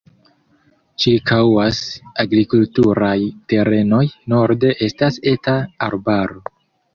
Ĉirkaŭas agrikulturaj terenoj, norde estas eta arbaro.